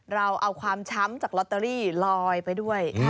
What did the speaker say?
เราเอาความช้ำจากลอตเตอรี่ลอยไปด้วย